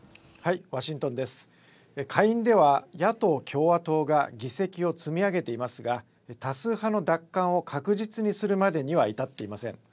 下院では野党・共和党が議席を積み上げていますが多数派の奪還を確実にするまでには至っていません。